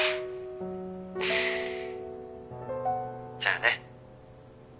じゃあね。